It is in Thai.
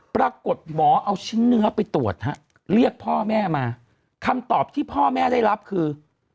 ปรากฏหมอเอาชิ้นเนื้อไปตรวจฮะเรียกพ่อแม่มาคำตอบที่พ่อแม่ได้รับคือ